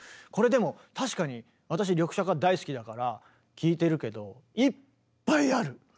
これでも確かに私リョクシャカ大好きだから聴いてるけどいっぱいある。